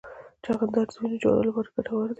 چغندر د وینې جوړولو لپاره ګټور دی.